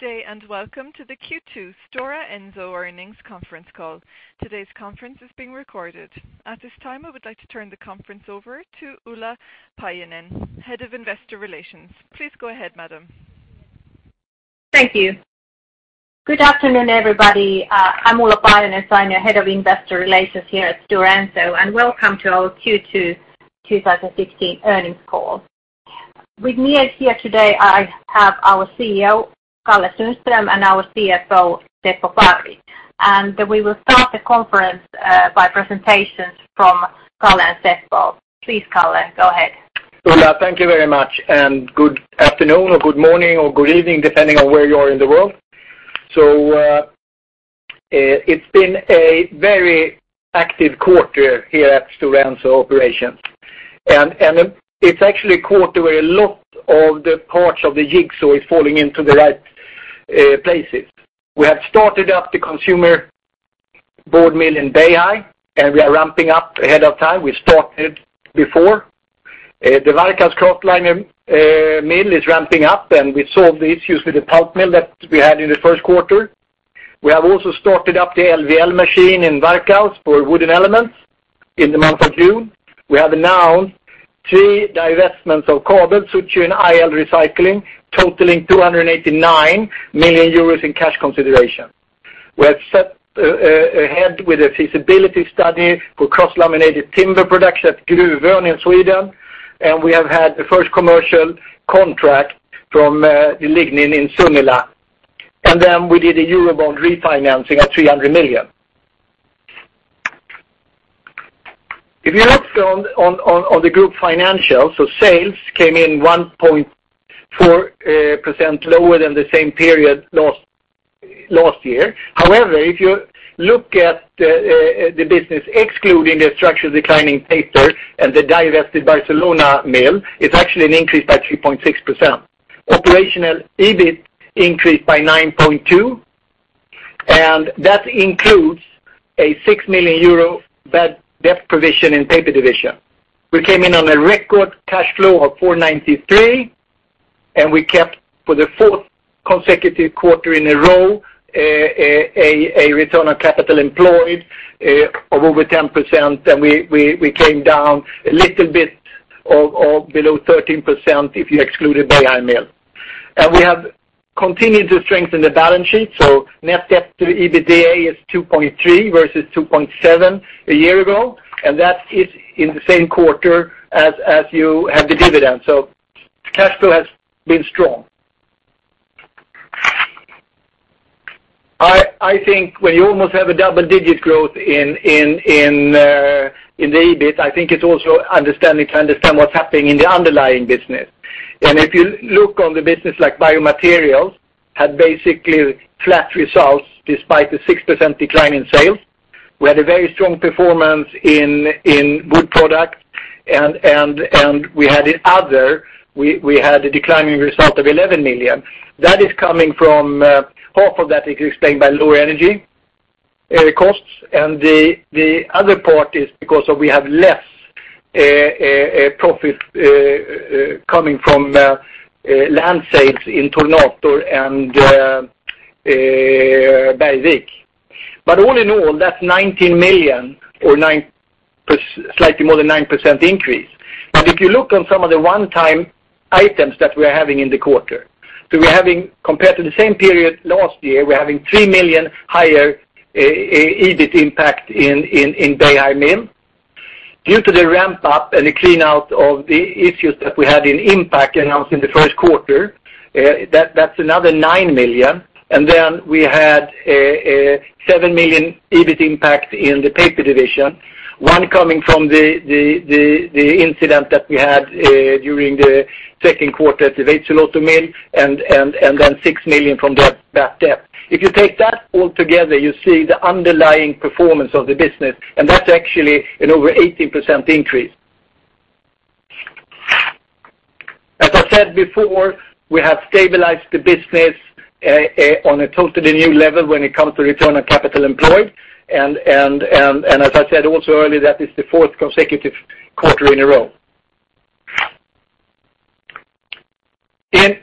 Good day, welcome to the Q2 Stora Enso Earnings Conference Call. Today's conference is being recorded. At this time, I would like to turn the conference over to Ulla Paajanen-Sainio, Head of Investor Relations. Please go ahead, madam. Thank you. Good afternoon, everybody. I'm Ulla Paajanen-Sainio, Head of Investor Relations here at Stora Enso, welcome to our Q2 2016 earnings call. With me here today, I have our CEO, Karl-Henrik Sundström, and our CFO, Seppo Parvi. We will start the conference by presentations from Kalle and Seppo. Please, Kalle, go ahead. Ulla, thank you very much, good afternoon or good morning or good evening, depending on where you are in the world. It's been a very active quarter here at Stora Enso operation. It's actually a quarter where a lot of the parts of the jigsaw is falling into the right places. We have started up the consumer board mill in Beihai, we are ramping up ahead of time. We started before. The Varkaus cross laminated mill is ramping up, we solved the issues with the pulp mill that we had in the first quarter. We have also started up the LVL machine in Varkaus for wooden elements in the month of June. We have now three divestments of Kabel, Suzhou and IL Recycling, totaling 289 million euros in cash consideration. We have set ahead with a feasibility study for cross-laminated timber production at Gruvön in Sweden, we have had the first commercial contract from Lignin in Sunila. We did a Eurobond refinancing of 300 million. If you look on the group financials, sales came in 1.4% lower than the same period last year. However, if you look at the business excluding the structured declining paper and the divested Barcelona mill, it's actually an increase by 3.6%. Operational EBIT increased by 9.2%, that includes a 6 million euro bad debt provision in Paper division. We came in on a record cash flow of 493 million, we kept for the fourth consecutive quarter in a row a return on capital employed of over 10%, we came down a little bit or below 13% if you exclude the Beihai mill. We have continued to strengthen the balance sheet, net debt to EBITDA is 2.3 versus 2.7 a year ago, That is in the same quarter as you have the dividend. Cash flow has been strong. I think when you almost have a double-digit growth in the EBIT, I think it's also understanding to understand what's happening in the underlying business. If you look on the business like Biomaterials, had basically flat results despite a 6% decline in sales. We had a very strong performance in Wood Products, and we had other, we had a declining result of 11 million. Half of that is explained by lower energy costs, and the other part is because we have less profit coming from land sales in Tornator and Bergvik. All in all, that's 19 million or slightly more than 9% increase. If you look on some of the one-time items that we're having in the quarter. Compared to the same period last year, we're having 3 million higher EBIT impact in Beihai mill. Due to the ramp up and the clean-out of the issues that we had in Inpac announced in the first quarter, that's another 9 million. We had 7 million EBIT impact in the Paper division, one coming from the incident that we had during the second quarter at the Veitsiluoto mill, and then 6 million from that debt. If you take that all together, you see the underlying performance of the business, and that's actually an over 18% increase. As I said before, we have stabilized the business on a totally new level when it comes to return on capital employed, and as I said also earlier, that is the fourth consecutive quarter in a row.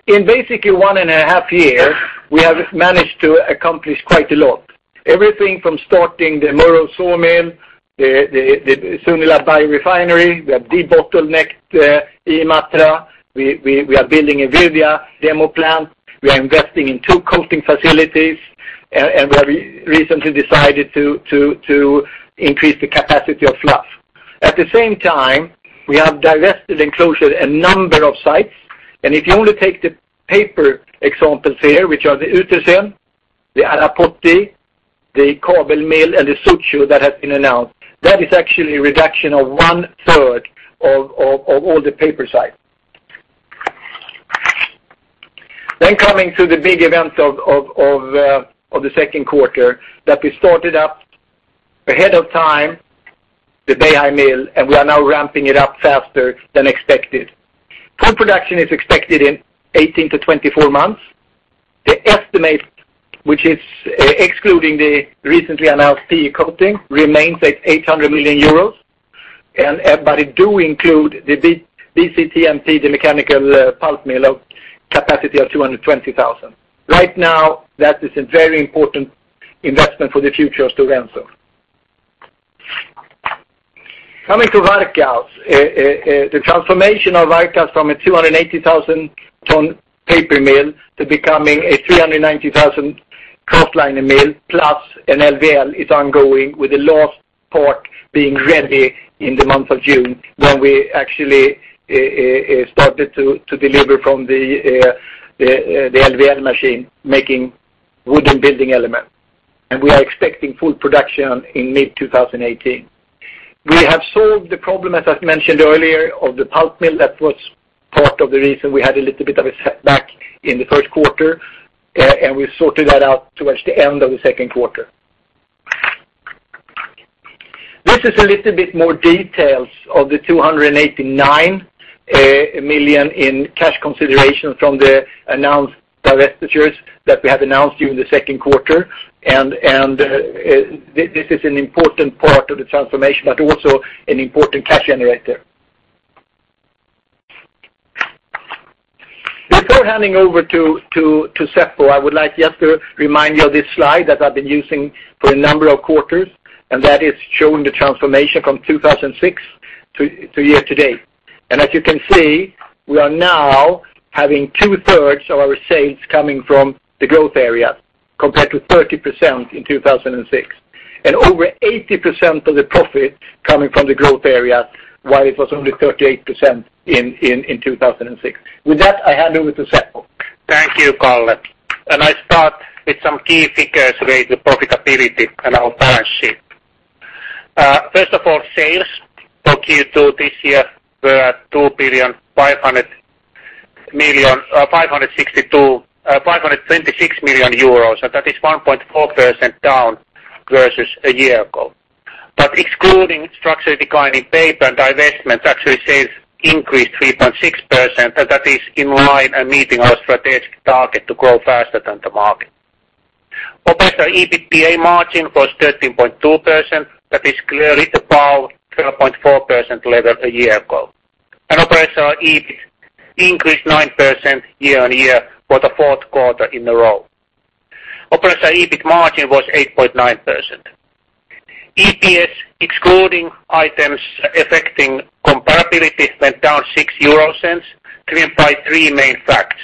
In basically one and a half year, we have managed to accomplish quite a lot. Everything from starting the Murów sawmill, the Sunila biorefinery, we have debottlenecked Imatra. We are building a Virdia demo plant. We are investing in two coating facilities, and we have recently decided to increase the capacity of fluff. At the same time, we have divested and closed a number of sites, and if you only take the paper examples here, which are the Uetersen, the Arapoti, the Kabel mill, and the Suzhou that has been announced. That is actually a reduction of one-third of all the paper sites. Coming to the big events of the second quarter that we started up ahead of time, the Beihai mill, and we are now ramping it up faster than expected. Full production is expected in 18-24 months. The estimate, which is excluding the recently announced PE coating, remains at 800 million euros. It do include the BCTMP, the mechanical pulp mill of capacity of 220,000. Right now, that is a very important investment for the future of Stora Enso. Coming to Varkaus. The transformation of Varkaus from a 280,000 ton paper mill to becoming a 390,000 kraftliner mill, plus an LVL, is ongoing, with the last part being ready in the month of June, when we actually started to deliver from the LVL machine, making wooden building elements. We are expecting full production in mid-2018. We have solved the problem, as I've mentioned earlier, of the pulp mill. That was part of the reason we had a little bit of a setback in the first quarter, and we sorted that out towards the end of the second quarter. This is a little bit more details of the 289 million in cash consideration from the announced divestitures that we have announced during the second quarter. This is an important part of the transformation, but also an important cash generator. Before handing over to Seppo, I would like just to remind you of this slide that I've been using for a number of quarters, that is showing the transformation from 2006 to year to date. As you can see, we are now having two-thirds of our sales coming from the growth area compared to 30% in 2006. Over 80% of the profit coming from the growth area while it was only 38% in 2006. With that, I hand over to Seppo. Thank you, Kalle. I start with some key figures related to profitability and our balance sheet. First of all, sales for Q2 this year were at 2,526 million. That is 1.4% down versus a year ago. Excluding structural decline in paper and divestment, actually sales increased 3.6%, that is in line and meeting our strategic target to grow faster than the market. Operational EBITDA margin was 13.2%. That is clearly above 12.4% level a year ago. Operational EBIT increased 9% year-on-year for the fourth quarter in a row. Operational EBIT margin was 8.9%. EPS, excluding items affecting comparability, went down 0.06 to imply three main facts.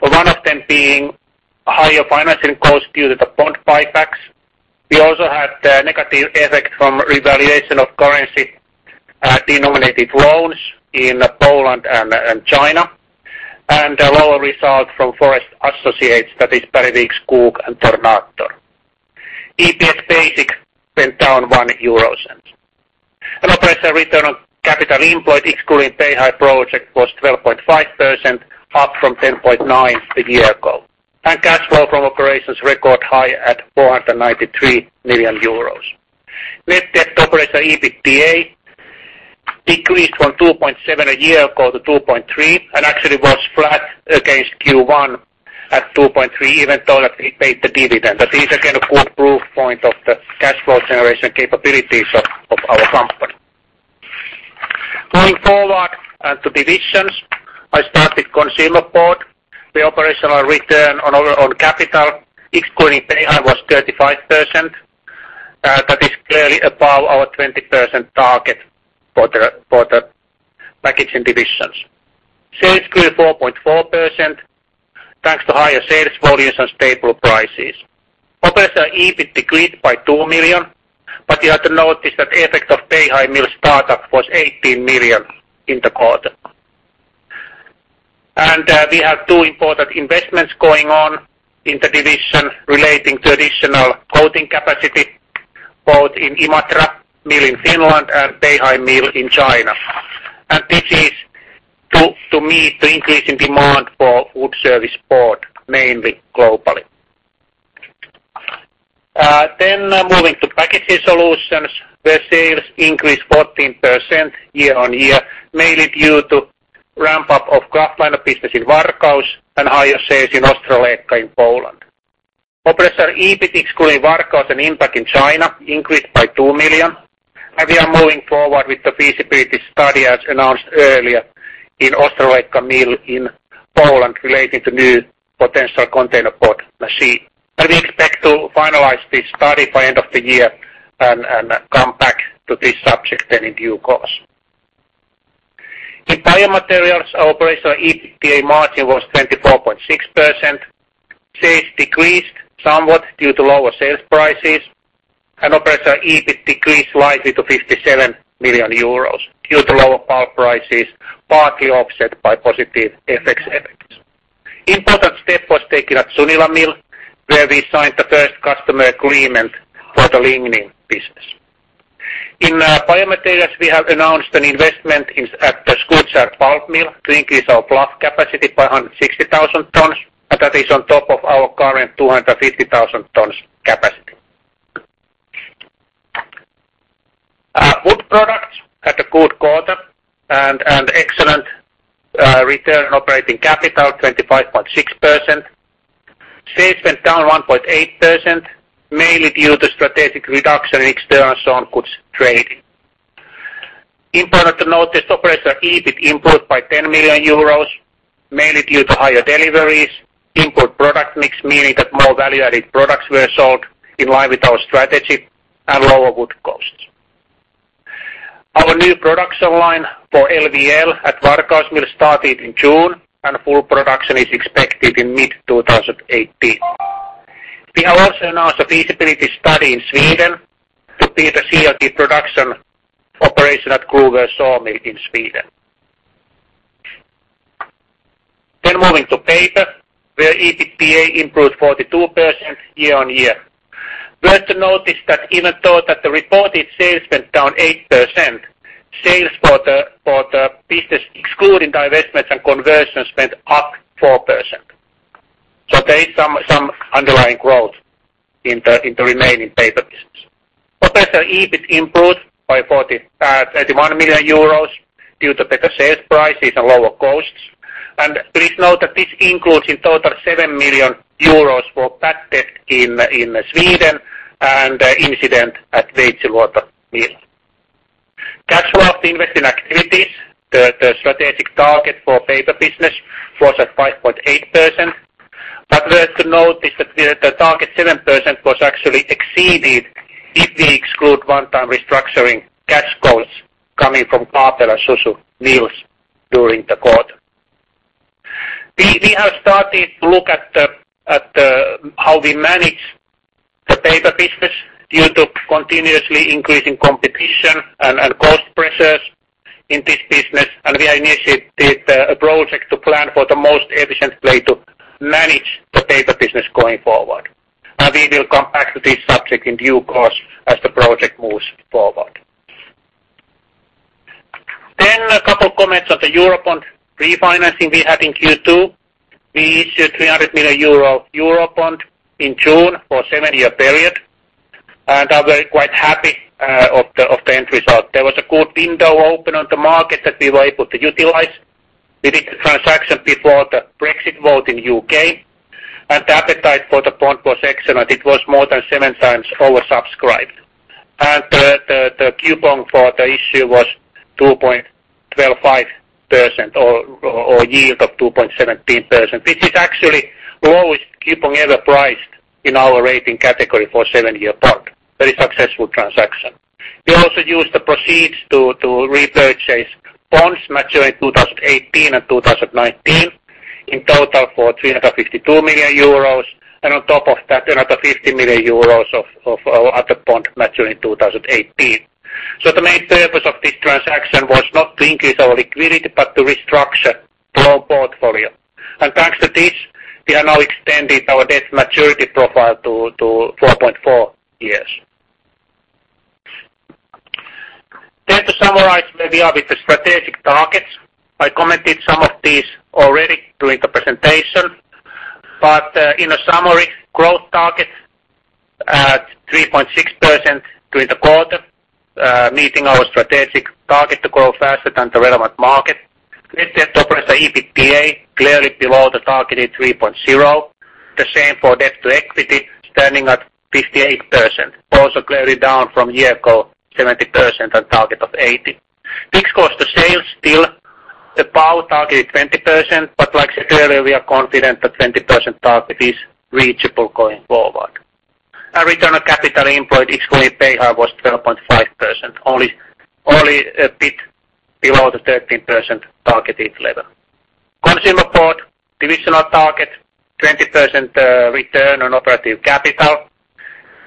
One of them being higher financing cost due to the bond buybacks. We also had a negative effect from revaluation of currency denominated loans in Poland and China, a lower result from forest associates, that is Bergvik Skog and Tornator. EPS basic went down 0.01. Operational return on capital employed, excluding Beihai project, was 12.5%, up from 10.9% a year ago. Cash flow from operations record high at 493 million euros. Net debt to operational EBITDA decreased from 2.7 a year ago to 2.3, actually was flat against Q1 at 2.3, even though we paid the dividend. That is again a good proof point of the cash flow generation capabilities of our company. Going forward to divisions, I start with Consumer Board. The operational return on capital, excluding Beihai, was 35%. That is clearly above our 20% target for the packaging divisions. Sales grew 4.4% thanks to higher sales volumes and stable prices. Operational EBIT decreased by 2 million, but you have to notice that effect of Beihai Mill startup was 18 million in the quarter. We have two important investments going on in the division relating to additional coating capacity, both in Imatra Mill in Finland and Beihai Mill in China. This is to meet the increasing demand for Food Service Board, mainly globally. Moving to Packaging Solutions, where sales increased 14% year-over-year, mainly due to ramp-up of kraftliner business in Varkaus and higher sales in Ostrołęka in Poland. Operational EBIT excluding Varkaus and Inpac in China increased by 2 million. We are moving forward with the feasibility study, as announced earlier in Ostrołęka Mill in Poland relating to new potential containerboard machine. We expect to finalize this study by end of the year and come back to this subject in due course. In Biomaterials, our operational EBITDA margin was 24.6%. Sales decreased somewhat due to lower sales prices and operational EBIT decreased slightly to 57 million euros due to lower pulp prices, partly offset by positive FX effects. Important step was taken at Sunila Mill, where we signed the first customer agreement for the Lignin business. In Biomaterials, we have announced an investment at the Skutskär Pulp Mill to increase our kraft capacity by 160,000 tons, and that is on top of our current 250,000 tons capacity. Wood Products had a good quarter and an excellent Return on operating capital 25.6%. Sales went down 1.8%, mainly due to strategic reduction in external sawn goods trading. Important to note, the operating EBIT improved by 10 million euros, mainly due to higher deliveries, improved product mix, meaning that more value-added products were sold in line with our strategy, and lower wood costs. Our new production line for LVL at Varkaus will start it in June, and full production is expected in mid-2018. We have also announced a feasibility study in Sweden to build a CLT production operation at Gruvön sawmill in Sweden. Moving to Paper, where EBITDA improved 42% year-over-year. Worth to notice that even though that the reported sales went down 8%, sales for the business excluding divestments and conversions went up 4%. There is some underlying growth in the remaining Paper business. Operating EBIT improved by 31 million euros due to better sales prices and lower costs. Please note that this includes in total 7 million euros for bad debt in Sweden and the incident at Veitsiluoto Mill. Cash flow from investing activities, the strategic target for Paper business was at 5.8%. Worth to note is that the target 7% was actually exceeded if we exclude one-time restructuring cash costs coming from Kabel and Suzhou Mills during the quarter. We have started to look at how we manage the Paper business due to continuously increasing competition and cost pressures in this business, and we initiated a project to plan for the most efficient way to manage the Paper business going forward. We will come back to this subject in due course as the project moves forward. A couple of comments on the Eurobond refinancing we had in Q2. We issued 300 million euro Eurobond in June for a seven-year period, and are very quite happy of the end result. There was a good window open on the market that we were able to utilize. We did the transaction before the Brexit vote in U.K. The appetite for the bond was excellent. It was more than seven times oversubscribed. The coupon for the issue was 2.125% or yield of 2.17%, which is actually the lowest coupon ever priced in our rating category for seven-year bond. Very successful transaction. We also used the proceeds to repurchase bonds maturing 2018 and 2019, in total for 352 million euros, and on top of that, another 50 million euros of other bond maturing 2018. The main purpose of this transaction was not to increase our liquidity, but to restructure flow portfolio. Thanks to this, we have now extended our debt maturity profile to 4.4 years. To summarize where we are with the strategic targets. I commented some of these already during the presentation, in a summary, growth target at 3.6% during the quarter, meeting our strategic target to grow faster than the relevant market. Net debt to operating EBITDA, clearly below the target at 3.0. The same for debt to equity, standing at 58%, also clearly down from a year ago, 70% on target of 80. Fixed cost to sales, still above target at 20%, but like said earlier, we are confident the 20% target is reachable going forward. Return on capital employed excluding Beihai was 12.5%, only a bit below the 13% targeted level. Consumer Board divisional target, 20% return on operative capital.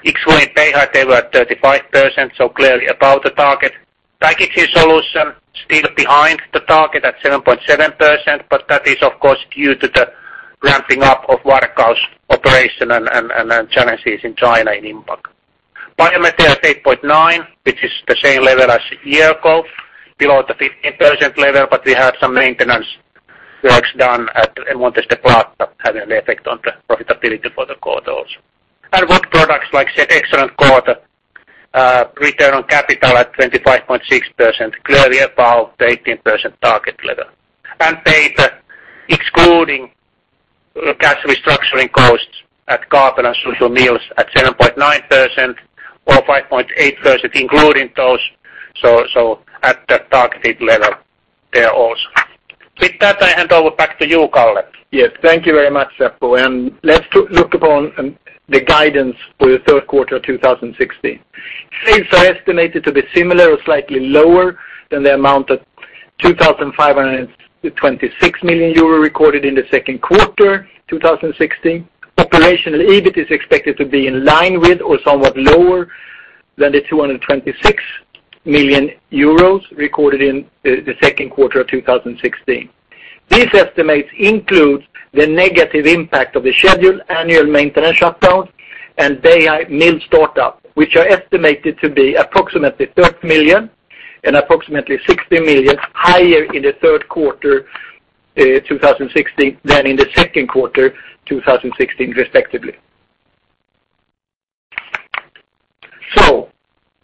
Excluding Beihai, they were at 35%, so clearly above the target. Packaging Solutions still behind the target at 7.7%, but that is, of course, due to the ramping up of Varkaus operation and challenges in China in Inpac. Biomaterials 8.9, which is the same level as a year ago, below the 15% level, but we had some maintenance works done at Montes del Plata having an effect on the profitability for the quarter also. Wood Products, like I said, excellent quarter. Return on capital at 25.6%, clearly above the 18% target level. Paper, excluding cash restructuring costs at Kabel and Suzhou Mills at 7.9%, or 5.8% including those, so at the targeted level there also. With that, I hand over back to you, Kalle. Yes. Thank you very much, Seppo. Let's look upon the guidance for the third quarter of 2016. Sales are estimated to be similar or slightly lower than the amount of 2,526 million euro recorded in the second quarter 2016. Operational EBIT is expected to be in line with or somewhat lower than the 226 million euros recorded in the second quarter of 2016. These estimates include the negative impact of the scheduled annual maintenance shutdowns and Beihai Mill start-up, which are estimated to be approximately 30 million and approximately 60 million higher in the third quarter 2016 than in the second quarter 2016, respectively.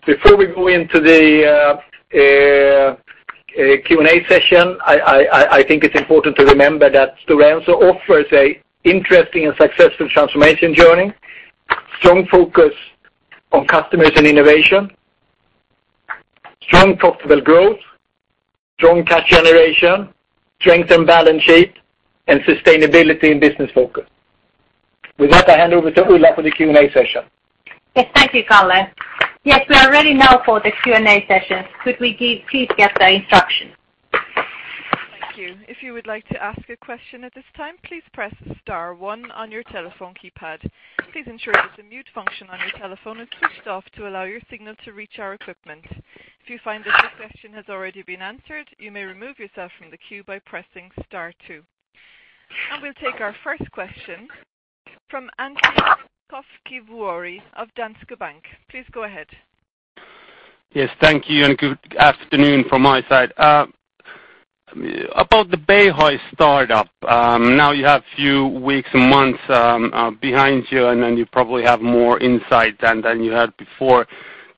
Before we go into the Q&A session, I think it's important to remember that Stora Enso offers an interesting and successful transformation journey, strong focus on customers and innovation, strong profitable growth, strong cash generation, strong balance sheet, and sustainability and business focus. With that, I hand over to Ulla for the Q&A session. Thank you, Kalle. Yes, we are ready now for the Q&A session. Could we please get the instructions? Thank you. If you would like to ask a question at this time, please press star one on your telephone keypad. Please ensure that the mute function on your telephone is switched off to allow your signal to reach our equipment. If you find that your question has already been answered, you may remove yourself from the queue by pressing star two. We'll take our first question from Antti Koskivuori of Danske Bank. Please go ahead. Thank you, and good afternoon from my side. About the Beihai startup. Now you have few weeks and months behind you, and you probably have more insight than you had before.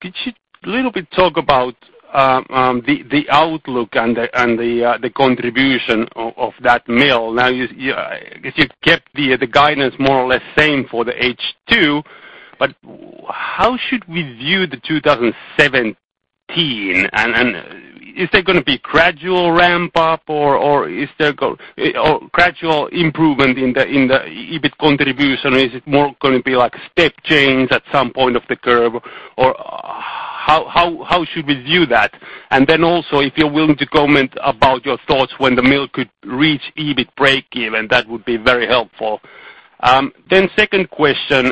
Could you little bit talk about the outlook and the contribution of that mill? Now, if you kept the guidance more or less same for the H2, but how should we view the 2017? Is there going to be gradual ramp up or gradual improvement in the EBIT contribution, or is it more going to be step change at some point of the curve, or how should we view that? Then also, if you're willing to comment about your thoughts when the mill could reach EBIT breakeven, that would be very helpful. Second question,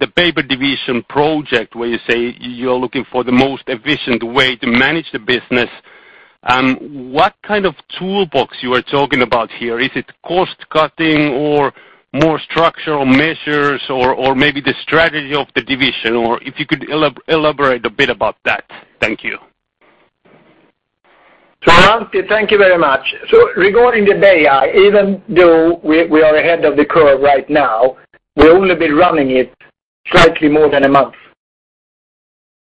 the Paper division project where you say you're looking for the most efficient way to manage the business, what kind of toolbox you are talking about here? Is it cost cutting or more structural measures or maybe the strategy of the division? If you could elaborate a bit about that. Thank you. Antti, thank you very much. Regarding the Beihai, even though we are ahead of the curve right now, we've only been running it slightly more than a month.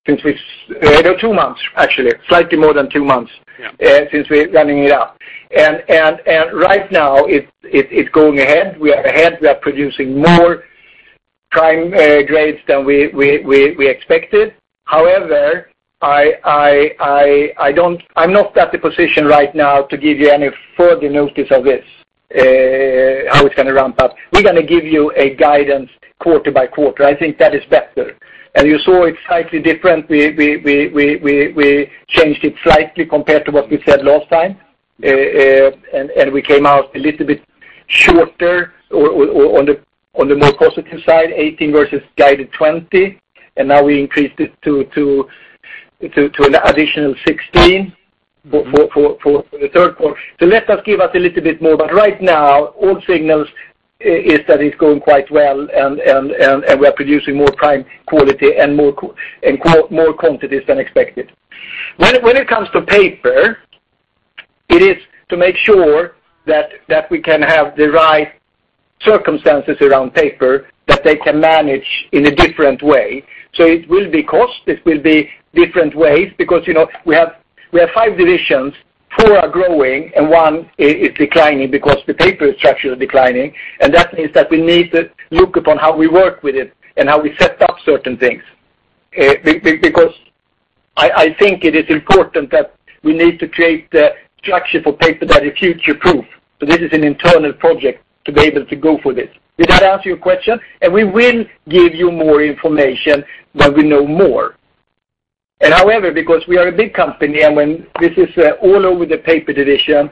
Two months, actually. Yeah since we're running it up. Right now it's going ahead. We are ahead. We are producing more prime grades than we expected. However, I'm not at the position right now to give you any further notice of this, how it's going to ramp up. We're going to give you a guidance quarter by quarter. I think that is better. You saw it slightly different. We changed it slightly compared to what we said last time, and we came out a little bit shorter on the more positive side, 18 versus guided 20, and now we increased it to an additional 16 for the third quarter. Let us give us a little bit more, but right now all signals is that it's going quite well and we are producing more prime quality and more quantities than expected. When it comes to paper, it is to make sure that we can have the right circumstances around paper that they can manage in a different way. It will be cost, it will be different ways because we have 5 divisions, four are growing and one is declining because the paper structure is declining. That means that we need to look upon how we work with it and how we set up certain things. I think it is important that we need to create a structure for paper that is future-proof. This is an internal project to be able to go for this. Did that answer your question? We will give you more information when we know more. However, because we are a big company and when this is all over the Paper division,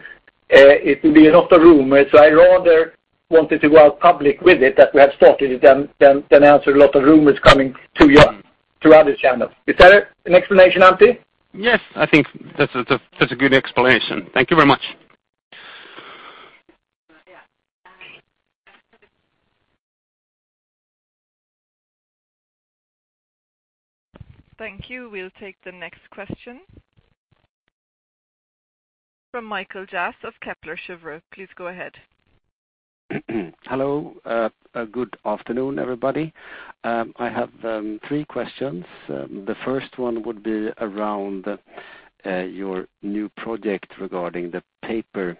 it will be a lot of rumors. I rather wanted to go out public with it that we have started it than answer a lot of rumors coming too young through other channels. Is that an explanation, Antti? Yes, I think that's a good explanation. Thank you very much. Thank you. We'll take the next question from Mikael Jåfs of Kepler Cheuvreux. Please go ahead. Hello. Good afternoon, everybody. I have three questions. The first one would be around your new project regarding the paper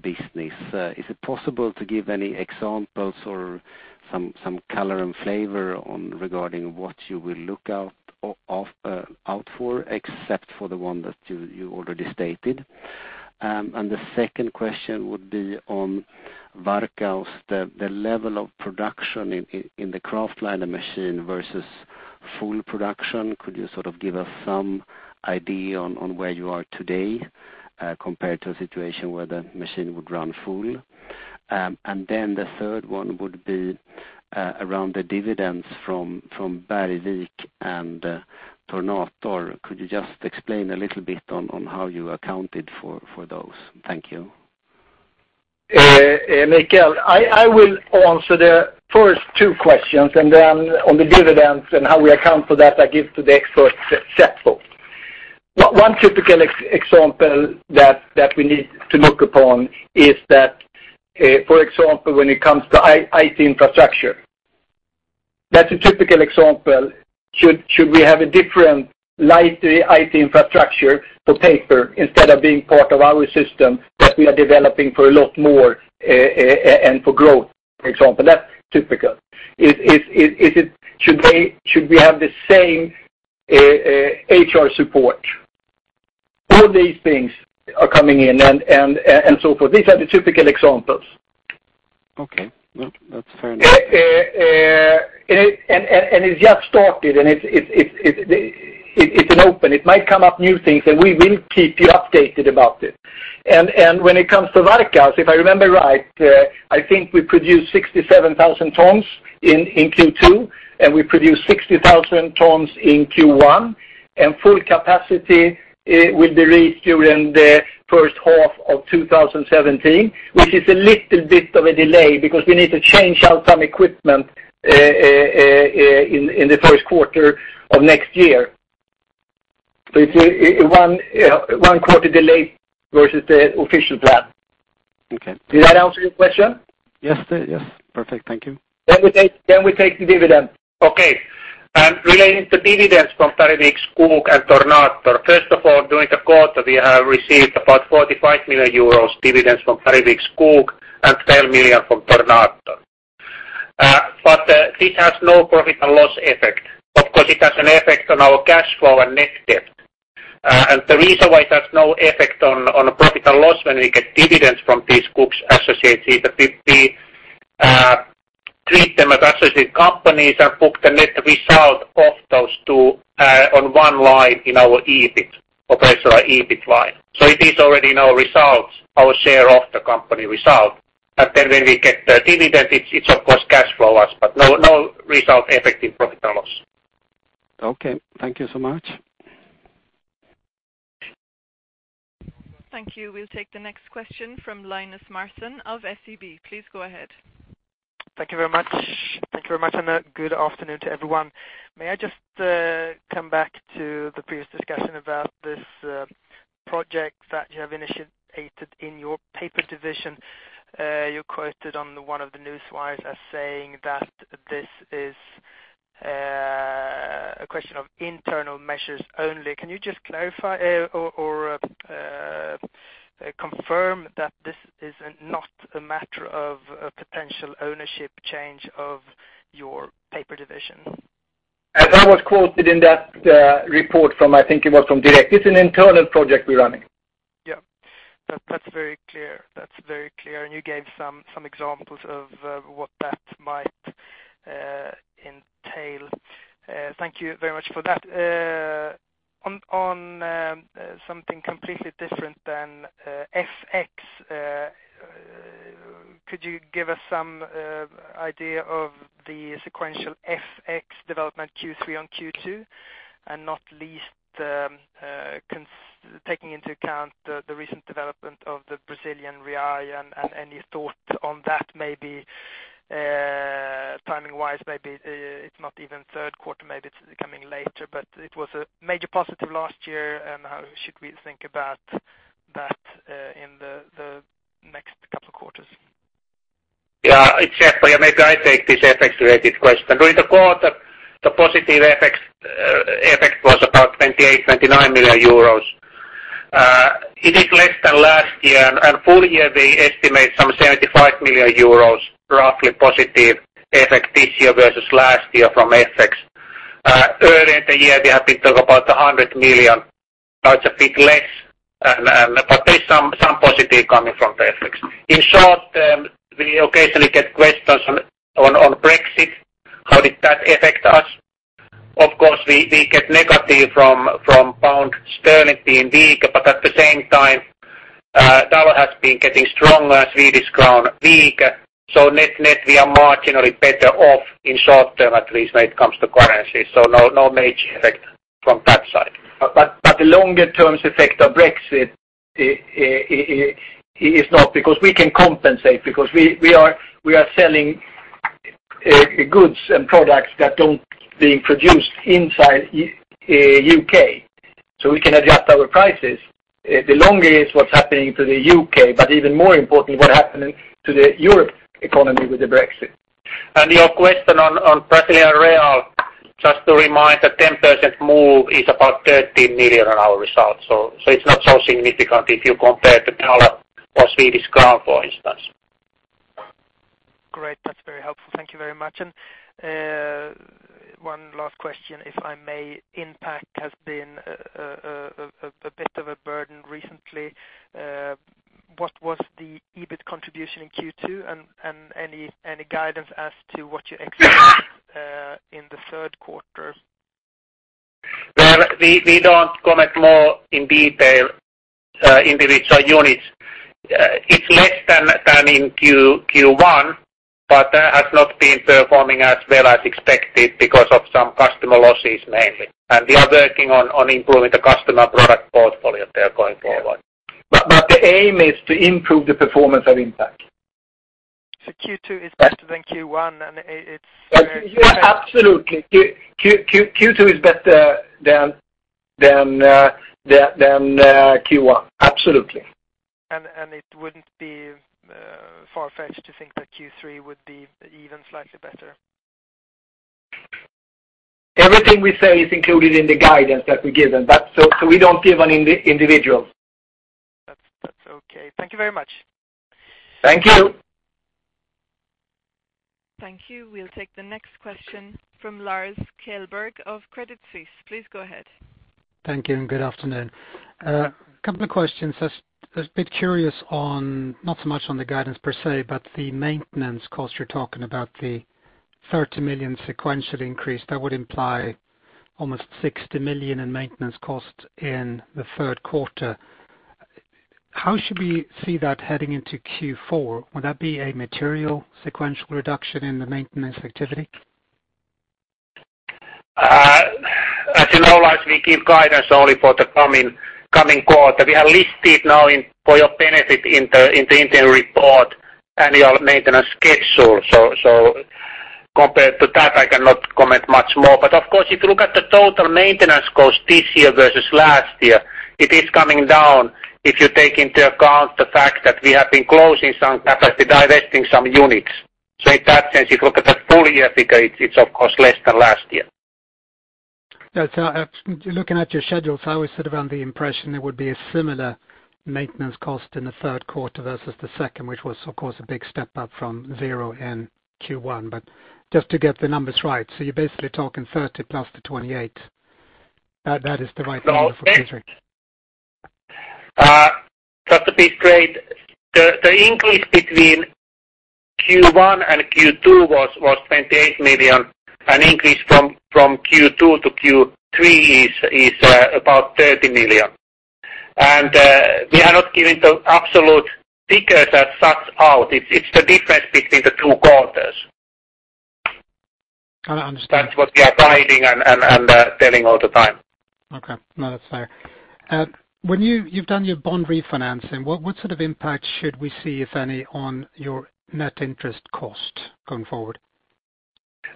business. Is it possible to give any examples or some color and flavor regarding what you will look out for except for the one that you already stated? The second question would be on Varkaus, the level of production in the kraftliner machine versus full production. Could you sort of give us some idea on where you are today, compared to a situation where the machine would run full? The third one would be around the dividends from Bergvik and Tornator. Could you just explain a little bit on how you accounted for those? Thank you. Mikael, I will answer the first two questions, then on the dividends and how we account for that, I give to the expert Seppo Parvi. One typical example that we need to look upon is that, for example, when it comes to IT infrastructure. That's a typical example. Should we have a different light IT infrastructure for paper instead of being part of our system that we are developing for a lot more and for growth, for example? That's typical. Should we have the same HR support? All these things are coming in, and so forth. These are the typical examples. Okay. That's fair enough. It just started, and it's open. It might come up new things, and we will keep you updated about it. When it comes to Varkaus, if I remember right, I think we produced 67,000 tons in Q2, and we produced 60,000 tons in Q1. Full capacity will be reached during the first half of 2017, which is a little bit of a delay because we need to change out some equipment in the first quarter of next year. It's a one quarter delay versus the official plan. Okay. Did that answer your question? Yes. Perfect. Thank you. We take the dividend. Okay. Relating to dividends from Bergvik Skog and Tornator. First of all, during the quarter, we have received about 45 million euros dividends from Bergvik Skog and 12 million from Tornator. This has no profit and loss effect. Of course, it has an effect on our cash flow and net debt. The reason why it has no effect on profit and loss when we get dividends from these Bergvik Skog associates is that we treat them as associate companies and book the net result of those two on one line in our operational EBIT line. It is already in our results, our share of the company result. When we get the dividend, it's of course cash flow wise, but no result effect in profit and loss. Okay. Thank you so much. Thank you. We will take the next question from Linus Larsson of SEB. Please go ahead. Thank you very much. Good afternoon to everyone. May I just come back to the previous discussion about this project that you have initiated in your Paper division? You are quoted on one of the newswires as saying that this is a question of internal measures only. Can you just clarify or confirm that this is not a matter of a potential ownership change of your Paper division? As I was quoted in that report from, I think it was from Direkt, it is an internal project we are running. Yeah. That is very clear. You gave some examples of what that might entail. Thank you very much for that. On something completely different than FX, could you give us some idea of the sequential FX development Q3 on Q2? Not least, taking into account the recent development of the Brazilian real and any thoughts on that maybe timing-wise? Maybe it is not even third quarter, maybe it is coming later, but it was a major positive last year. How should we think about that in the next couple of quarters? Seppo here. Maybe I take this FX-related question. During the quarter, the positive FX effect was about 28, 29 million. It is less than last year, and full year we estimate some 75 million euros roughly positive effect this year versus last year from FX. Earlier in the year, we have been talking about 100 million. Now it's a bit less. There is some positive coming from the FX. In short, we occasionally get questions on Brexit. How did that affect us? Of course, we get negative from pound sterling being weak, but at the same time, USD has been getting stronger, Swedish crown weaker. Net-net, we are marginally better off in short term, at least when it comes to currency. No major effect from that side. The longer terms effect of Brexit is not because we can compensate, because we are selling goods and products that don't being produced inside U.K. We can adjust our prices. The longer is what's happening to the U.K., but even more importantly, what happened to the Europe economy with the Brexit. Your question on Brazilian real, just to remind that 10% move is about 13 million on our results. It's not so significant if you compare to USD or Swedish crown, for instance. Great. That's very helpful. Thank you very much. One last question, if I may. Inpac has been a bit of a burden recently. What was the EBIT contribution in Q2? Any guidance as to what you expect in the third quarter? Well, we don't comment more in detail individual units. It's less than in Q1. That has not been performing as well as expected because of some customer losses mainly. We are working on improving the customer product portfolio there going forward. The aim is to improve the performance of Inpac. Q2 is better than Q1. Absolutely. Q2 is better than Q1. Absolutely. It wouldn't be far-fetched to think that Q3 would be even slightly better? Everything we say is included in the guidance that we've given. We don't give on individual. That's okay. Thank you very much. Thank you. Thank you. We will take the next question from Lars Kjellberg of Credit Suisse. Please go ahead. Thank you. Good afternoon. A couple of questions. I was a bit curious on, not so much on the guidance per se, but the maintenance cost you are talking about, the 30 million sequential increase, that would imply almost 60 million in maintenance cost in the third quarter. How should we see that heading into Q4? Would that be a material sequential reduction in the maintenance activity? As you know, Lars, we give guidance only for the coming quarter. We have listed now for your benefit in the interim report annual maintenance schedule. Compared to that, I cannot comment much more. Of course, if you look at the total maintenance cost this year versus last year, it is coming down. If you take into account the fact that we have been closing some capacity, divesting some units. In that sense, if you look at the full year figure, it is of course less than last year. Looking at your schedules, I was sort of under the impression it would be a similar maintenance cost in the third quarter versus the second, which was of course a big step up from zero in Q1. Just to get the numbers right. You are basically talking 30 plus the 28. That is the right number for Q3? Just to be straight, the increase between Q1 and Q2 was 28 million. An increase from Q2 to Q3 is about 30 million. We are not giving the absolute figures as such out. It's the difference between the two quarters. Kind of understand. That's what we are guiding and telling all the time. Okay. No, that's fair. You've done your bond refinancing. What sort of impact should we see, if any, on your net interest cost going forward?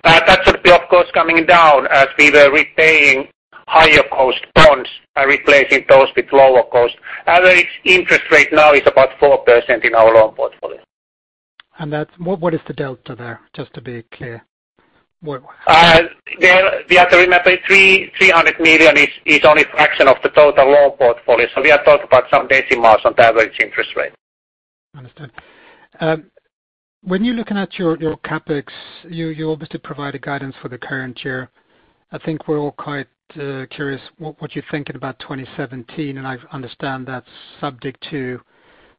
That should be, of course, coming down as we were repaying higher cost bonds by replacing those with lower cost. Average interest rate now is about 4% in our loan portfolio. What is the delta there, just to be clear? You have to remember 300 million is only a fraction of the total loan portfolio. We are talking about some decimals on the average interest rate. Understood. When you're looking at your CapEx, you obviously provided guidance for the current year. I think we're all quite curious what you're thinking about 2017, I understand that's subject to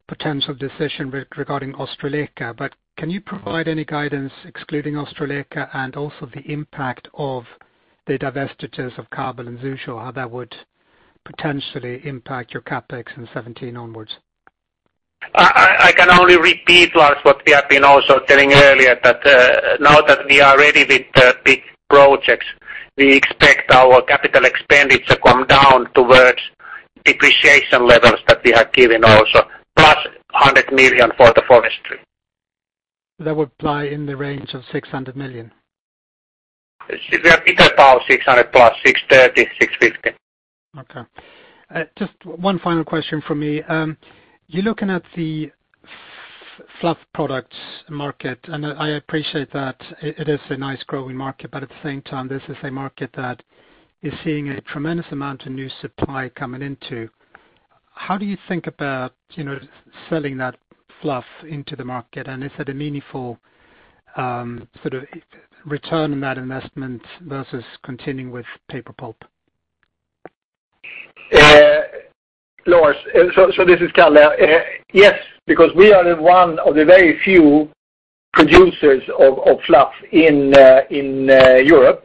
potential decision regarding Ostrołęka. Can you provide any guidance excluding Ostrołęka and also the impact of the divestitures of Kabel and Suzhou, how that would potentially impact your CapEx in 2017 onwards? I can only repeat, Lars, what we have been also telling earlier that now that we are ready with the big projects, we expect our capital expenditure come down towards depreciation levels that we have given also plus 100 million for the forestry. That would apply in the range of 600 million? We are thinking about 600 plus, 630, 650. Okay. Just one final question from me. You're looking at the fluff products market, and I appreciate that it is a nice growing market, but at the same time, this is a market that is seeing a tremendous amount of new supply coming into. How do you think about selling that fluff into the market? Is it a meaningful sort of return on that investment versus continuing with paper pulp? Lars, this is Kalle. Yes, because we are one of the very few producers of fluff in Europe.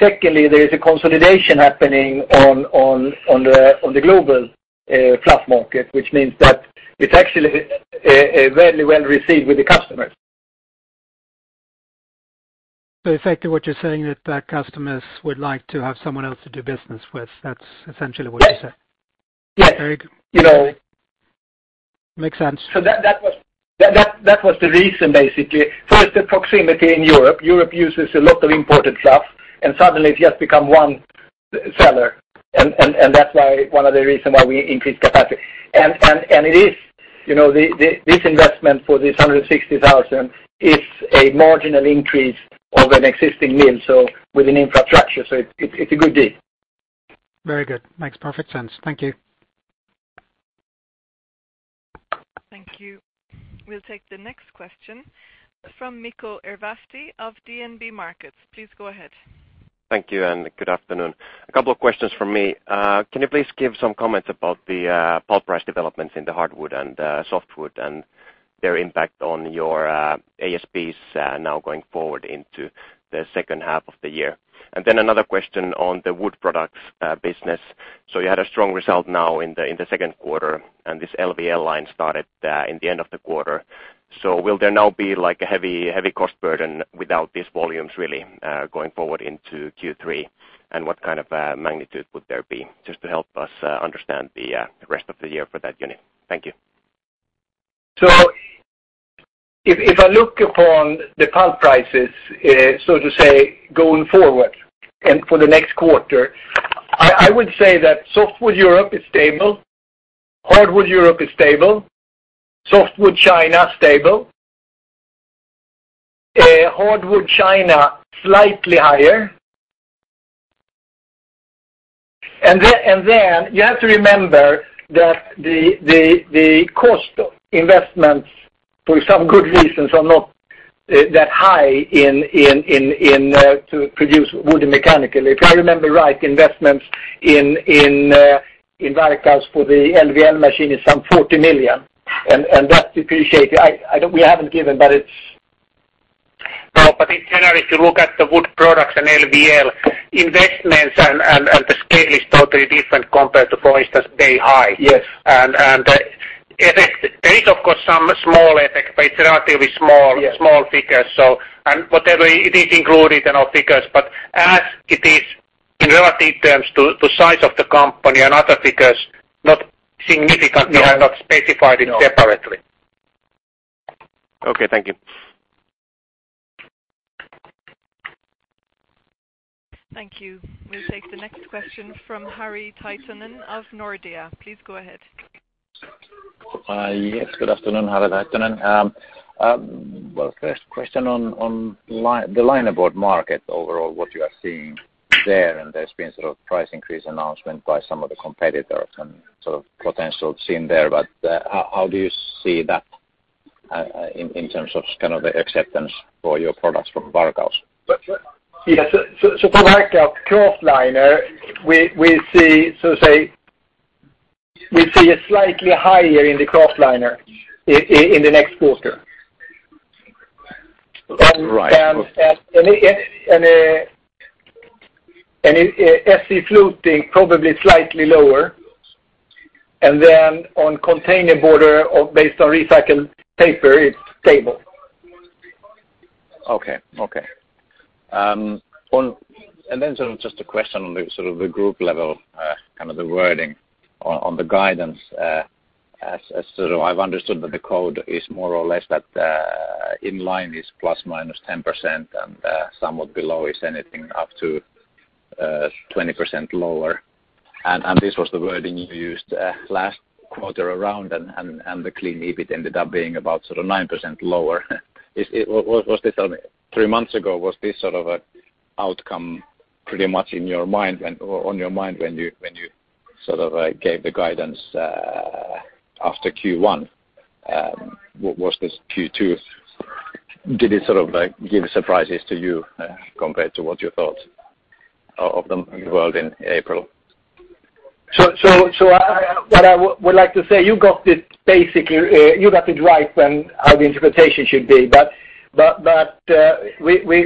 Secondly, there is a consolidation happening on the global fluff market, which means that it's actually very well received with the customers. Effectively what you're saying that customers would like to have someone else to do business with. That's essentially what you're saying? Yes. Very good. Makes sense. That was the reason basically. First, the proximity in Europe. Europe uses a lot of imported fluff, and suddenly we have become one seller, and that's one of the reason why we increased capacity. This investment for this 160,000 is a marginal increase of an existing mill, so with an infrastructure. It's a good deal. Very good. Makes perfect sense. Thank you. Thank you. We will take the next question from Mikko Ervasti of DNB Markets. Please go ahead. Thank you. Good afternoon. A couple of questions from me. Can you please give some comments about the pulp price developments in the hardwood and softwood and their impact on your ASPs now going forward into the second half of the year? Another question on the Wood Products business. You had a strong result now in the second quarter, and this LVL line started in the end of the quarter. Will there now be like a heavy cost burden without these volumes really going forward into Q3? What kind of magnitude would there be? Just to help us understand the rest of the year for that unit. Thank you. If I look upon the pulp prices, so to say, going forward and for the next quarter, I would say that softwood Europe is stable, hardwood Europe is stable, softwood China stable, hardwood China slightly higher. You have to remember that the cost investments for some good reasons are not that high to produce wood mechanically. If I remember right, investments in Varkaus for the LVL machine is some 40 million, and that depreciate. We haven't given. No, in general, if you look at the Wood Products and LVL investments and the scale is totally different compared to Beihai. Yes. The effect, there is of course some small effect, but it's relatively. Yes small figures. Whatever, it is included in our figures, but as it is in relative terms to size of the company and other figures, not significant. No. We have not specified it separately. No. Okay. Thank you. Thank you. We'll take the next question from Harri Taittonen of Nordea. Please go ahead. Yes, good afternoon, Harri Taittonen. Well, first question on the linerboard market overall, what you are seeing there, and there's been sort of price increase announcement by some of the competitors and potential seen there, but how do you see that in terms of kind of the acceptance for your products from Varkaus? Yes. For Varkaus kraftliner, we see it slightly higher in the kraftliner in the next quarter. Right. Okay. Fluting, probably slightly lower. On containerboard based on recycled paper, it's stable. Okay. Sort of just a question on the group level, kind of the wording on the guidance, as sort of I've understood that the code is more or less that in line is ±10% and somewhat below is anything up to 20% lower. This was the wording you used last quarter around and the clean EBIT ended up being about 9% lower. Three months ago, was this sort of outcome pretty much on your mind when you gave the guidance after Q1? Was this Q2, did it give surprises to you compared to what you thought of them in world in April? What I would like to say, you got it right on how the interpretation should be.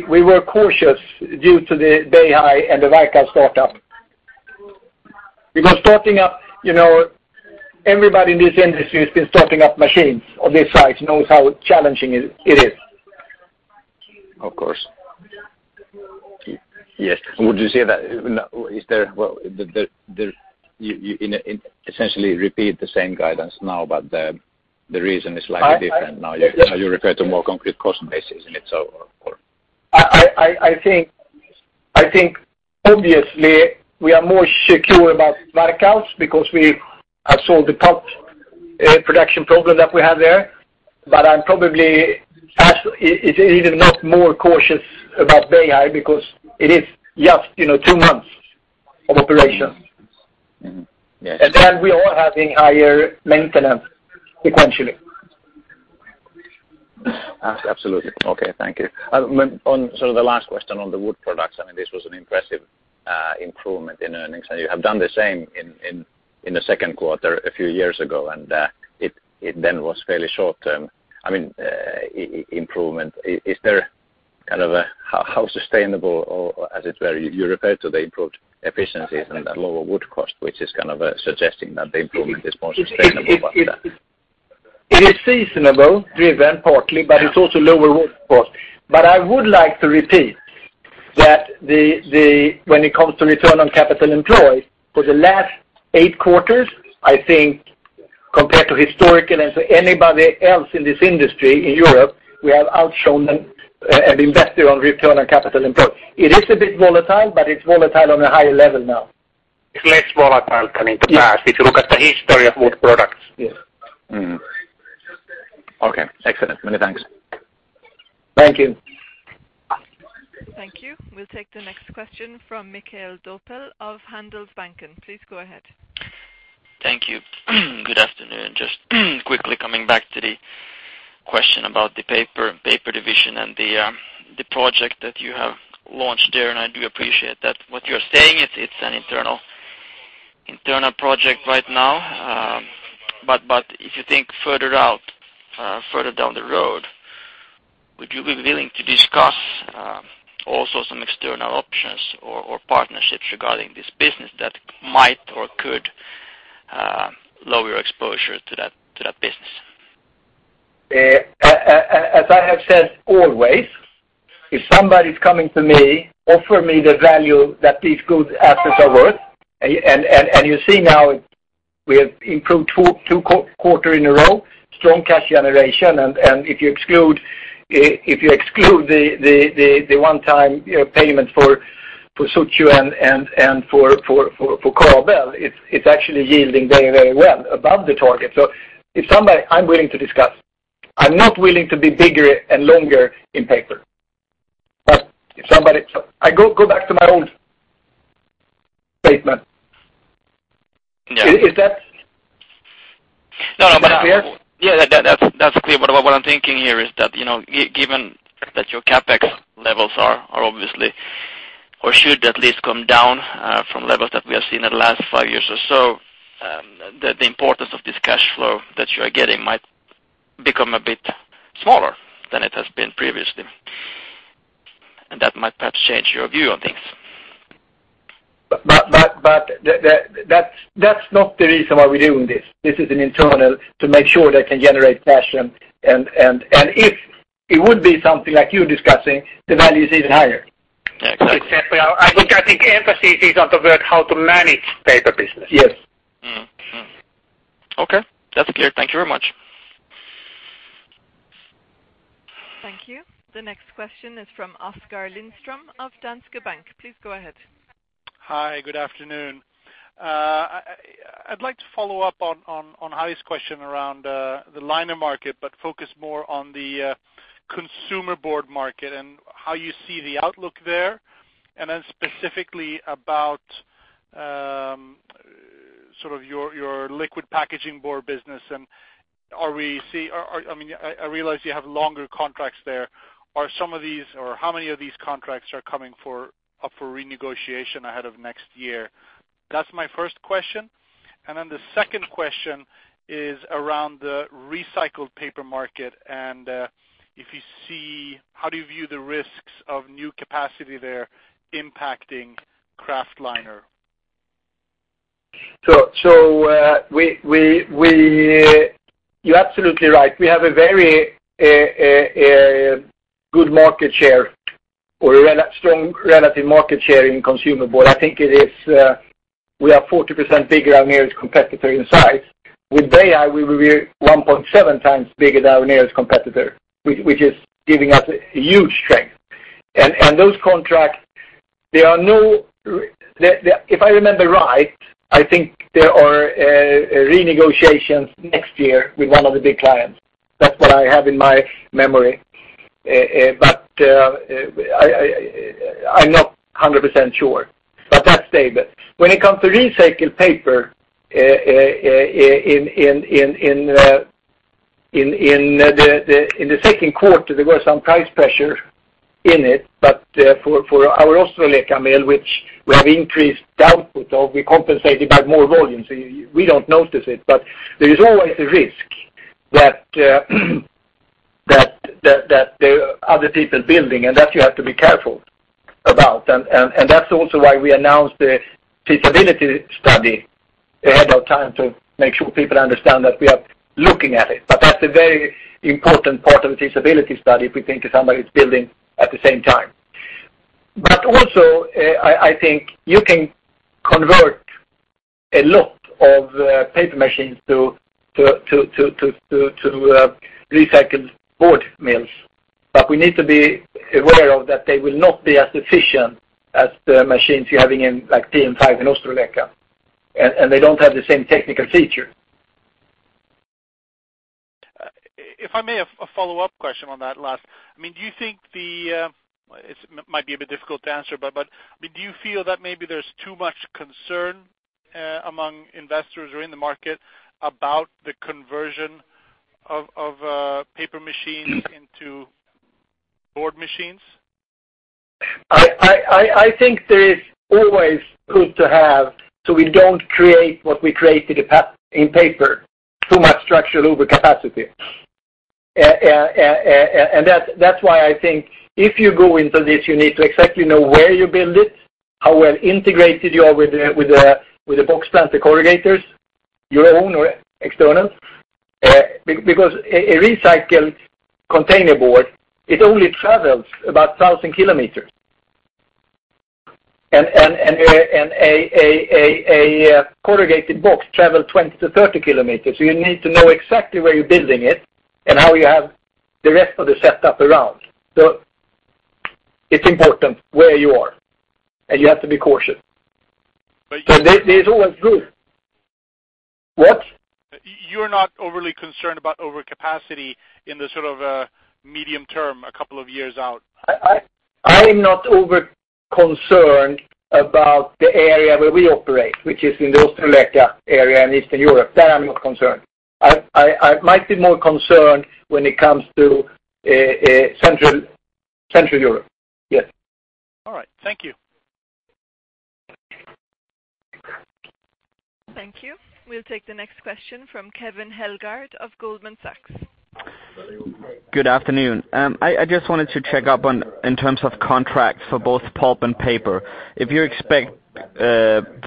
We were cautious due to the Beihai and the Varkaus startup. Everybody in this industry who's been starting up machines of this size knows how challenging it is. Of course. Yes. Would you say that, you essentially repeat the same guidance now, the reason is slightly different now. You refer to more concrete cost bases in it. I think obviously we are more secure about Varkaus because we have solved the pulp production problem that we have there. I am probably even not more cautious about Beihai because it is just two months of operation. Yes. Then we are having higher maintenance sequentially. Absolutely. Okay. Thank you. Sort of the last question on the Wood Products, this was an impressive improvement in earnings, you have done the same in the second quarter a few years ago, it then was fairly short term improvement. How sustainable, or as it were, you referred to the improved efficiencies and the lower wood cost, which is kind of suggesting that the improvement is more sustainable. It is seasonable driven partly, but it's also lower wood cost. I would like to repeat that when it comes to return on capital employed, for the last eight quarters, I think compared to historic and anybody else in this industry in Europe, we have outshown them and invested on return on capital employed. It is a bit volatile, but it's volatile on a higher level now. It's less volatile than in the past. Yes. If you look at the history of Wood Products. Yes. Okay. Excellent. Many thanks. Thank you. Thank you. We will take the next question from Mikael Doepel of Handelsbanken. Please go ahead. Thank you. Good afternoon. Just quickly coming back to the question about the Paper division and the project that you have launched there, I do appreciate that what you are saying is it is an internal project right now. If you think further out, further down the road, would you be willing to discuss also some external options or partnerships regarding this business that might or could lower your exposure to that business? As I have said always If somebody is coming to me, offer me the value that these good assets are worth. You see now we have improved two quarter in a row, strong cash generation, if you exclude the one-time payment for Suzhou and for Kabel, it is actually yielding very well, above the target. I am willing to discuss. I am not willing to be bigger and longer in paper. I go back to my old statement. Yeah. Is that clear? What I'm thinking here is that, given that your CapEx levels are obviously or should at least come down from levels that we have seen in the last five years or so, the importance of this cash flow that you are getting might become a bit smaller than it has been previously. That might perhaps change your view on things. That's not the reason why we're doing this. This is an internal to make sure that can generate cash and if it would be something like you're discussing, the value is even higher. Yeah. Exactly. I think the emphasis is on the word how to manage paper business. Yes. Okay. That's clear. Thank you very much. Thank you. The next question is from Oskar Lindström of Danske Bank. Please go ahead. Hi, good afternoon. I'd like to follow up on Harri's question around the liner market, but focus more on the Consumer Board market and how you see the outlook there, and then specifically about your liquid packaging board business and I realize you have longer contracts there. Are some of these, or how many of these contracts are coming up for renegotiation ahead of next year? That's my first question. The second question is around the recycled paper market, and if you see, how do you view the risks of new capacity there impacting kraftliner? You're absolutely right. We have a very good market share or a strong relative market share in Consumer Board. I think it is, we are 40% bigger than our nearest competitor in size. With Beihai, we were 1.7 times bigger than our nearest competitor, which is giving us a huge strength. Those contracts, if I remember right, I think there are renegotiations next year with one of the big clients. That's what I have in my memory. I'm not 100% sure. That's David. When it comes to recycled paper, in the second quarter, there were some price pressure in it. For our Ostrołęka mill, which we have increased the output of, we compensated by more volume, so we don't notice it. There is always a risk that there are other people building, and that you have to be careful about. That's also why we announced the feasibility study ahead of time to make sure people understand that we are looking at it. That's a very important part of the feasibility study if we think if somebody is building at the same time. Also, I think you can convert a lot of paper machines to recycled board mills. We need to be aware of that they will not be as efficient as the machines you're having in like PM5 in Ostrołęka, and they don't have the same technical feature. If I may, a follow-up question on that last. Do you think, it might be a bit difficult to answer, but do you feel that maybe there's too much concern among investors or in the market about the conversion of paper machines into board machines? I think that it's always good to have, so we don't create what we created in paper, too much structural overcapacity. That's why I think if you go into this, you need to exactly know where you build it, how well integrated you are with the box plant corrugators, your own or external. A recycled containerboard, it only travels about 1,000 kilometers. A corrugated box travel 20-30 kilometers. You need to know exactly where you're building it and how you have the rest of the setup around. It's important where you are, and you have to be cautious. There's always room. What? You're not overly concerned about overcapacity in the sort of medium term, a couple of years out? I am not over concerned about the area where we operate, which is in the Ostrołęka area and Eastern Europe. There I'm not concerned. I might be more concerned when it comes to Central Europe. Yes. All right. Thank you. Thank you. We will take the next question from Kevin Hellegård of Goldman Sachs. Good afternoon. I just wanted to check up on in terms of contracts for both pulp and paper. If you expect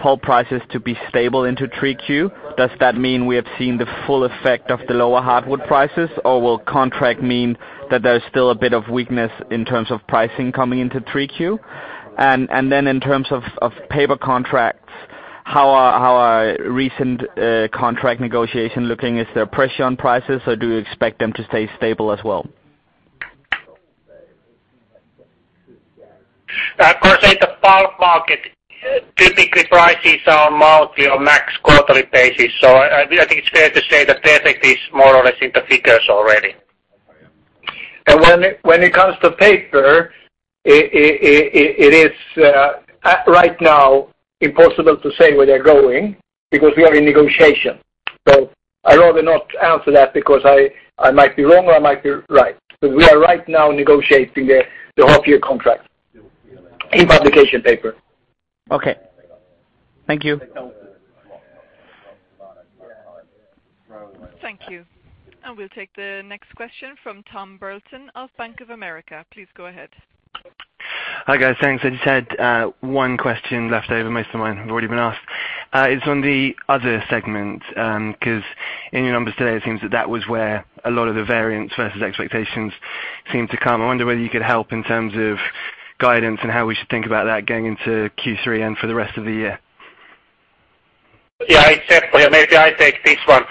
pulp prices to be stable into 3Q. Does that mean we have seen the full effect of the lower hardwood prices, or will contract mean that there's still a bit of weakness in terms of pricing coming into 3Q? Then in terms of paper contracts, how are recent contract negotiations looking? Is there pressure on prices, or do you expect them to stay stable as well? Of course, in the pulp market, typically prices are monthly or max quarterly basis. I think it's fair to say the effect is more or less in the figures already. When it comes to paper, it is right now impossible to say where they're going because we are in negotiations. I'd rather not answer that because I might be wrong or I might be right. We are right now negotiating the whole-year contract in publication paper. Okay. Thank you. Thank you. We'll take the next question from Tom Burton of Bank of America. Please go ahead. Hi, guys. Thanks. I just had one question left over. Most of mine have already been asked. It's on the other segment, because in your numbers today, it seems that that was where a lot of the variance versus expectations seemed to come. I wonder whether you could help in terms of guidance and how we should think about that going into Q3 and for the rest of the year. Yeah. Exactly. Maybe I take this one.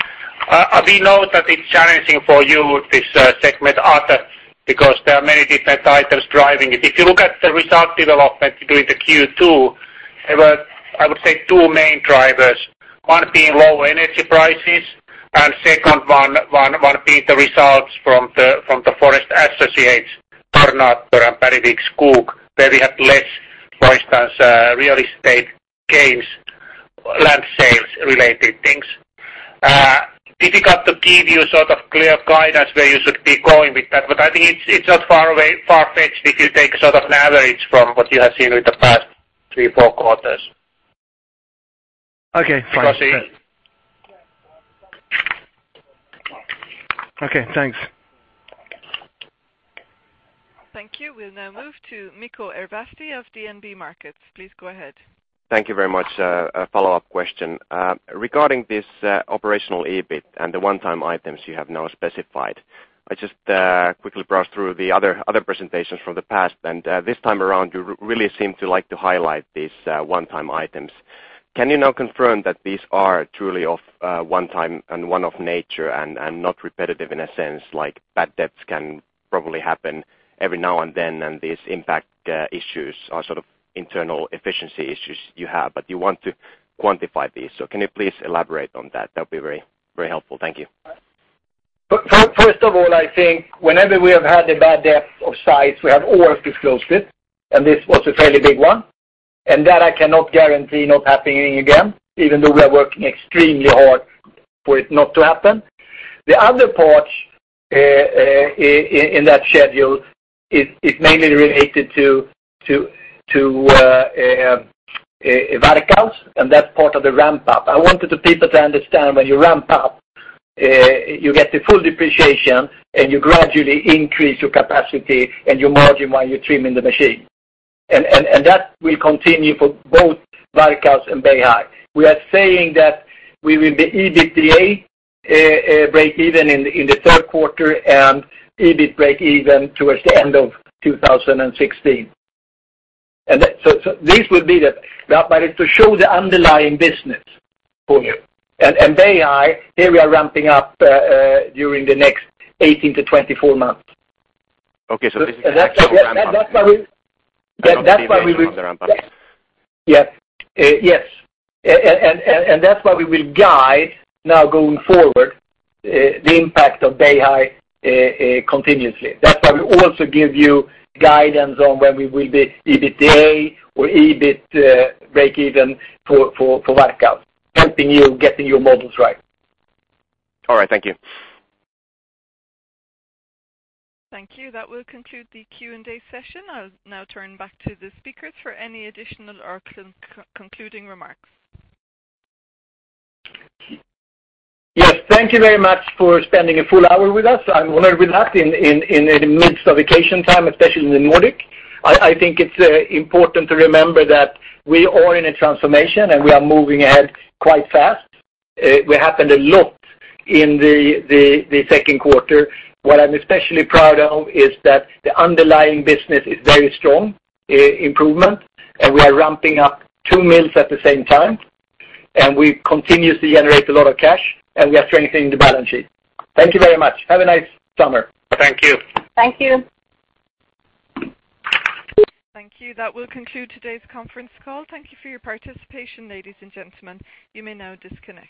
We know that it's challenging for you, this segment, other, because there are many different items driving it. If you look at the result development during the Q2, there were, I would say, two main drivers. One being low energy prices, and second one being the results from the forest associates, Tornator and Bergvik Skog, where we had less, for instance, real estate gains, land sales related things. Difficult to give you sort of clear guidance where you should be going with that. I think it's not far fetched if you take sort of an average from what you have seen with the past three, four quarters. Okay, fine. Does that make sense? Okay, thanks. Thank you. We'll now move to Mikko Ervasti of DNB Markets. Please go ahead. Thank you very much. A follow-up question. Regarding this operational EBIT and the one-time items you have now specified, I just quickly browsed through the other presentations from the past, and this time around, you really seem to like to highlight these one-time items. Can you now confirm that these are truly of one-time and one-off nature and not repetitive in a sense like bad debts can probably happen every now and then, and these impact issues are sort of internal efficiency issues you have, but you want to quantify these. Can you please elaborate on that? That would be very helpful. Thank you. First of all, I think whenever we have had a bad debt of size, we have always disclosed it, and this was a fairly big one. That I cannot guarantee not happening again, even though we are working extremely hard for it not to happen. The other part in that schedule is mainly related to Varkaus and that part of the ramp up. I wanted the people to understand when you ramp up, you get the full depreciation and you gradually increase your capacity and your margin while you're trimming the machine. That will continue for both Varkaus and Beihai. We are saying that we will be EBITDA breakeven in the third quarter and EBIT breakeven towards the end of 2016. This would be that. It's to show the underlying business for you. Beihai, here we are ramping up during the next 18 to 24 months. Okay, this is actual ramp up. That's why we will I know the invention of the ramp up. Yes. That's why we will guide now going forward the impact of Beihai continuously. That's why we also give you guidance on when we will be EBITDA or EBIT breakeven for Varkaus, helping you getting your models right. All right. Thank you. Thank you. That will conclude the Q&A session. I'll now turn back to the speakers for any additional or concluding remarks. Yes, thank you very much for spending a full hour with us. I'm honored with that in the midst of vacation time, especially in the Nordic. I think it's important to remember that we are in a transformation. We are moving ahead quite fast. We happened a lot in the second quarter. What I'm especially proud of is that the underlying business is very strong improvement. We are ramping up two mills at the same time. We continuously generate a lot of cash. We are strengthening the balance sheet. Thank you very much. Have a nice summer. Thank you. Thank you. Thank you. That will conclude today's conference call. Thank you for your participation, ladies and gentlemen. You may now disconnect.